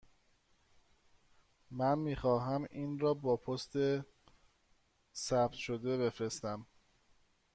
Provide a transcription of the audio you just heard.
من می خواهم این را با پست ثبت شده بفرستم.